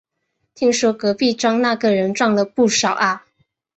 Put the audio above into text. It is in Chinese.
听说隔壁庄那个人赚了不少啊